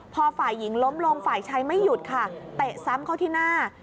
พอฝ่ายหญิงล้มลงฝ่ายชายไม่หยุดค่ะเตะซ้ำเข้าที่หน้า